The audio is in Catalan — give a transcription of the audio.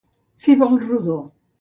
Fer volt rodó.